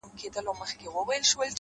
• بيزو وان د خپل تقدير د دام اسير وو,